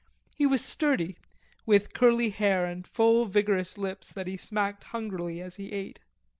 He was sturdy, with curly hair and full vigorous lips that he smacked hungrily as he ate.